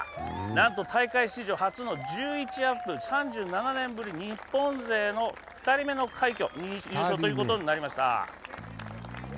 なんと大会史上初の１１アップ、３７年ぶり、日本勢２人目の快挙、優勝ということになりました。